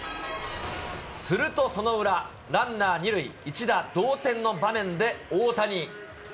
するとその裏、ランナー２塁、一打同点の場面で、大谷。